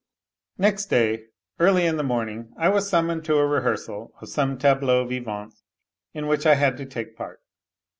Next day, early in the morning, I was summoned to a rehearsa of some tableaux vivants in which I had to take part.